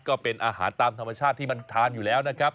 ก็เป็นอาหารตามธรรมชาติที่มันทานอยู่แล้วนะครับ